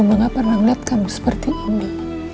saya tidak pernah melihat anda seperti ini